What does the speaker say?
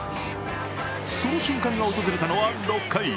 その瞬間が訪れたのは６回。